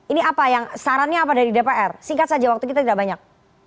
ini apa yang sarannya apa dari dpr singkat saja waktu kita tidak banyak